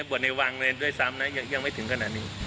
บวชในวังเลยด้วยซ้ำนะยังไม่ถึงขนาดนี้